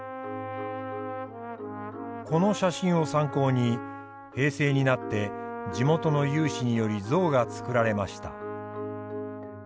この写真を参考に平成になって地元の有志により像が作られました。